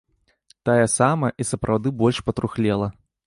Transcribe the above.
Тая самая, і сапраўды больш патрухлела.